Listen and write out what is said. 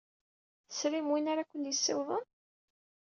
Tesrim win ara kem-yessiwḍen?